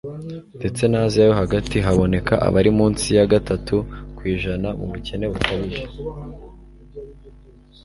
ndetse na asia yo hagati, haboneka abari munsi ya gatatu kw'ijana mu bukene bukabije